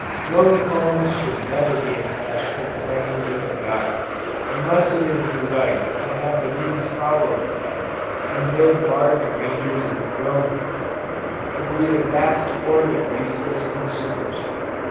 Drone combs should never be attached to the frames as a guide, unless it is desired to have the bees follow the pattern, and build large ranges of drone comb, to breed a vast horde of useless consumers.